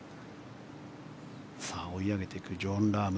さあ追い上げていくジョン・ラーム